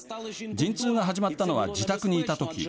陣痛が始まったのは自宅にいた時。